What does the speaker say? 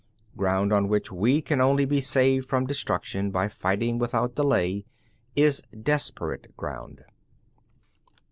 10. Ground on which we can only be saved from destruction by fighting without delay, is desperate ground.